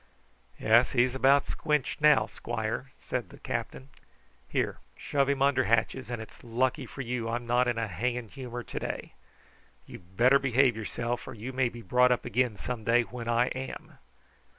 "Yes; he's about squenched now, squire," said the captain. "Here, shove him under hatches, and it's lucky for you I'm not in a hanging humour to day. You'd better behave yourself, or you may be brought up again some day when I am."